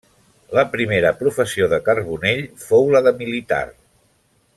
La primera professió de Carbonell fou la de militar.